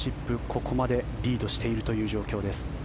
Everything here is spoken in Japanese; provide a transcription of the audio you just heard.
ここまでリードしているという状況です。